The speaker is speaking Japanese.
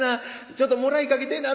ちょっともらいかけてぇな。